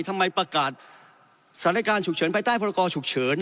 ทำไมประกาศสร้างรายการฉุกเฉินไปใต้พลกรฉุกเฉิน